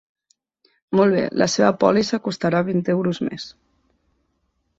Molt bé, la seva pòlissa costarà vint euros més.